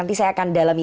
nanti saya akan dalami